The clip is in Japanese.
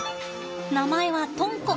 名前はとんこ。